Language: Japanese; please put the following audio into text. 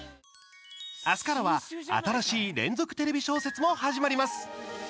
明日からは新しい連続テレビ小説も始まります。